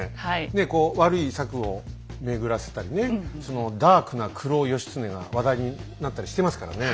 ねえこう悪い策を巡らせたりねそのダークな黒義経が話題になったりしてますからね。